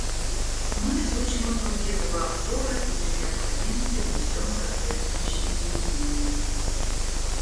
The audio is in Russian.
Мы изучим итоги этого обзора и при необходимости внесем соответствующие изменения.